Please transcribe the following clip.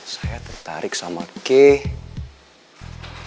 saya tertarik sama kei